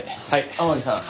天樹さん。